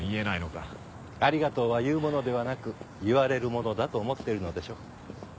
「ありがとう」は言うものではなく言われるものだと思っているのでしょう。